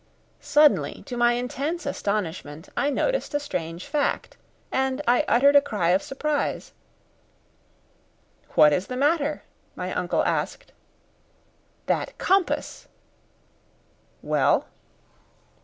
Suddenly, to my intense astonishment, I noticed a strange fact, and I uttered a cry of surprise. "What is the matter?" my uncle asked. "That compass!" "Well?"